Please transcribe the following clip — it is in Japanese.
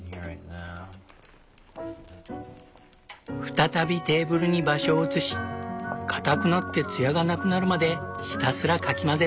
再びテーブルに場所を移しかたくなって艶がなくなるまでひたすらかき混ぜる。